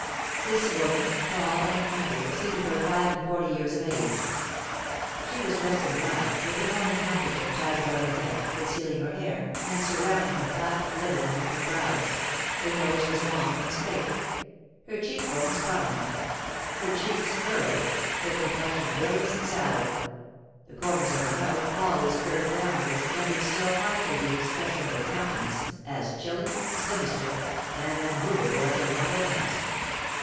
This woman, tall and meagre, seemed about five and forty years of age. She was dressed in black, with a mourning handkerchief tied about her head, concealing her hair, and surrounding her flat, livid, and wrinkled brows; her nose was long and straight; her cheek bones prominent; her cheeks furrowed; her complexion bilious and sallow; the corners of her mouth, always curved downwards, rendered still harsher the expression of her countenance, as chilling, sinister, and immovable as a marble mask.